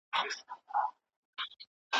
بدلون په هره ټولنه کې حتمي دی.